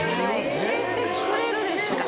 教えてくれるでしょ！